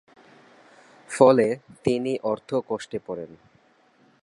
ফলে তিনি অর্থ কষ্টে পড়েন।